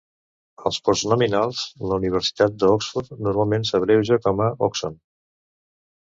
Als postnominals, la "Universitat d'Oxford" normalment s'abreuja com a "Oxon".